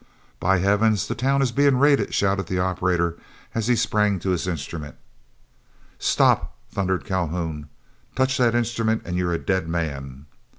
"By heavens! the town is being raided," shouted the operator, as he sprang to his instrument. "Stop!" thundered Calhoun. "Touch that instrument and you are a dead man."